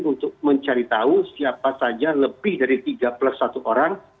untuk mencari tahu siapa saja lebih dari tiga plus satu orang